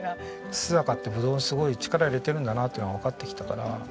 須坂ってぶどうにすごい力入れてるんだなっていうのがわかってきたから。